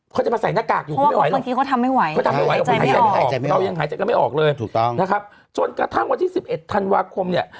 เขาจะมาใส่หน้ากากอยู่เขาทำไม่ไหวหายใจไม่ออกเลยจนกระทั่งวันที่๑๑ธันวาคมเนี่ย